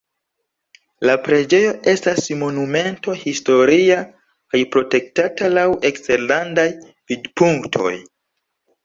La preĝejo estas Monumento historia kaj protektata laŭ eksterlandaj vidpunktoj.